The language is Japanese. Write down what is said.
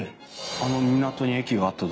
あの港に駅があった所